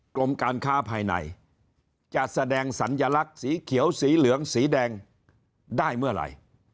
กรมการค้าภายในจะแสดงสัญลักษณ์สีเขียวสีเหลืองสีแดงได้เมื่อไหร่